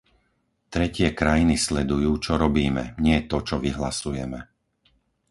Tretie krajiny sledujú, čo robíme, nie to, čo vyhlasujeme.